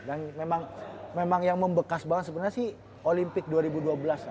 dan memang yang membekas banget sebenarnya sih olimpik dua ribu dua belas lah